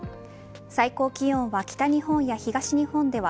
最高気温は北日本や東日本では